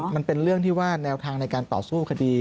มันเป็นเรื่องที่ว่าแนวทางในการต่อสู้คดี